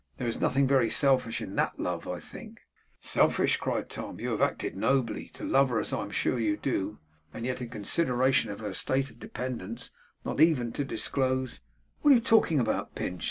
There is nothing very selfish in THAT love, I think?' 'Selfish!' cried Tom. 'You have acted nobly. To love her as I am sure you do, and yet in consideration for her state of dependence, not even to disclose ' 'What are you talking about, Pinch?